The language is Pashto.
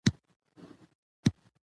ګاز د افغانانو د معیشت سرچینه ده.